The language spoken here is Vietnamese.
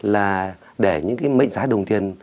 là để những cái mệnh giá đồng tiền